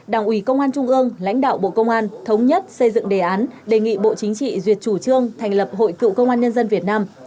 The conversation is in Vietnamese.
đảng ủy công an trung ương lãnh đạo bộ công an thống nhất xây dựng đề án đề nghị bộ chính trị duyệt chủ trương thành lập hội cựu công an nhân dân việt nam